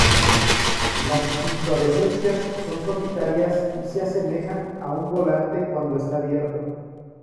Las inflorescencias son solitarias y se asemejan a un volante cuando está abierto.